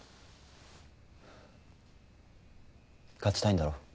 勝ちたいんだろ？